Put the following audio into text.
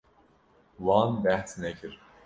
Wan behs nekir.